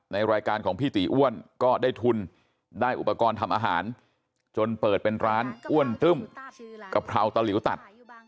ในรายการของพี่ตีอ้วนก็ได้ทุนได้อุปกรณ์ทำอาหารจนเปิดเป็นร้านอ้วนตึ้มกะเพราตะหลิวตัด